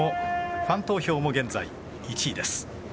ファン投票も現在１位です。